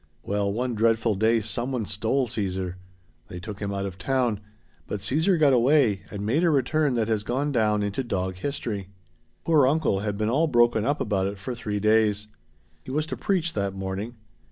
Well, one dreadful day someone stole Caesar. They took him out of town, but Caesar got away and made a return that has gone down into dog history. Poor uncle had been all broken up about it for three days. He was to preach that morning.